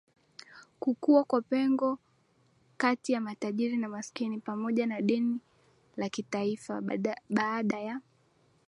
kukua kwa pengo kati ya matajiri na maskini pamoja na deni la kitaifaBaada ya